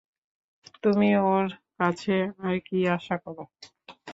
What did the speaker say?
তুমি ওর কাছে আর কী আশা করো?